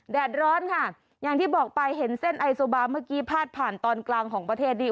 แดดร้อนค่ะอย่างที่บอกไปเห็นเส้นไอโซบาเมื่อกี้พาดผ่านตอนกลางของประเทศนี่